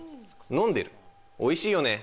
飲んでるおいしいよね。